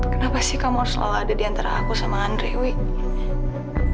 kenapa sih kamu harus selalu ada di antara aku sama andrewi